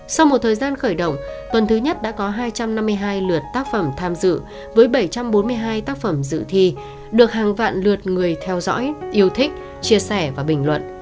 sau một thời gian khởi động tuần thứ nhất đã có hai trăm năm mươi hai lượt tác phẩm tham dự với bảy trăm bốn mươi hai tác phẩm dự thi được hàng vạn lượt người theo dõi yêu thích chia sẻ và bình luận